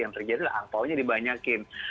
yang terjadi adalah angpaonya dibanyakin